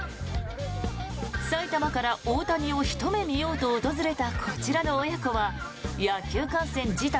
埼玉から大谷をひと目見ようと訪れたこちらの親子は野球観戦自体